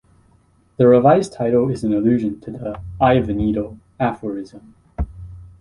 The revised title is an allusion to the "eye of a needle" aphorism.